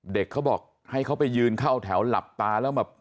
เด็กเขาบอกให้เขาไปยืนเข้าแถวหลับตาแล้วแบบ